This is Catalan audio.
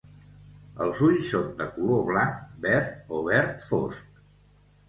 Els ulls són de color blanc, verd o verd fosc.